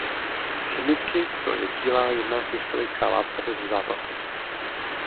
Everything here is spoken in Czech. Chemicky to je bílá jemná krystalická látka bez zápachu.